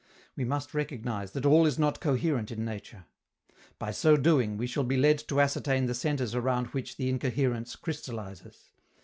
We must recognize that all is not coherent in nature. By so doing, we shall be led to ascertain the centres around which the incoherence crystallizes.